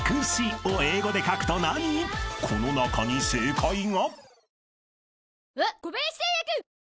［この中に正解が？］